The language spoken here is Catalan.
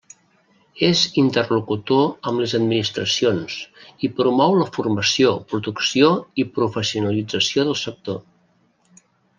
És interlocutor amb les administracions i promou la formació, producció i professionalització del sector.